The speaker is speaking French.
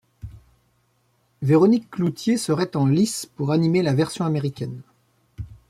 Véronique Cloutier serait en lice pour animer la version américaine.